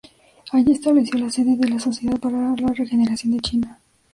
Allí estableció la sede de la Sociedad para la Regeneración de China.